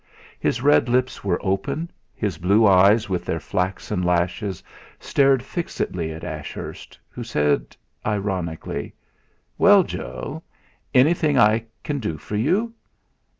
His red lips were open, his blue eyes with their flaxen lashes stared fixedly at Ashurst, who said ironically: "Well, Joe, anything I can do for you?"